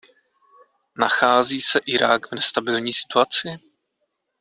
Nachází se Irák v nestabilní situaci?